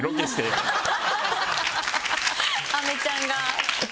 アメちゃんが。